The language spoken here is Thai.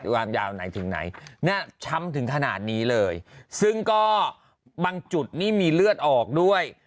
ความยาวไหนถึงไหนเนี่ยช้ำถึงขนาดนี้เลยซึ่งก็บางจุดนี่มีเลือดออกด้วย